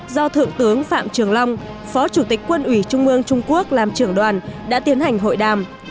do thượng tướng phạm trường long phó chủ tịch quân ủy trung mương trung quốc làm trưởng đoàn đã tiến hành hội đàm